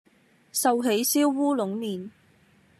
壽喜燒烏龍麵